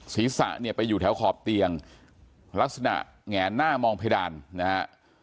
ศีรษะเนี่ยไปอยู่แถวขอบเตียงลักษณะแหงหน้ามองเพดานนะฮะ